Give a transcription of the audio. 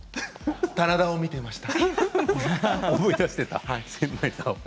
棚田を見ていました。